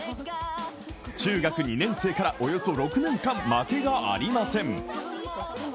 中学２年生からおよそ６年間負けがありません。